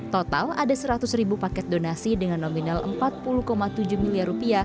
total ada seratus ribu paket donasi dengan nominal rp empat puluh tujuh miliar